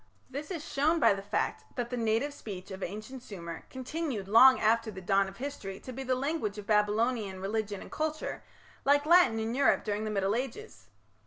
This is shown by the fact that the native speech of ancient Sumer continued long after the dawn of history to be the language of Babylonian religion and culture, like Latin in Europe during the Middle Ages.